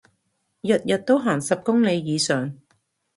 日日都行十公里以上